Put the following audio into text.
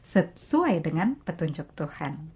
sesuai dengan petunjuk tuhan